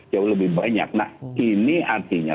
jauh lebih banyak nah ini artinya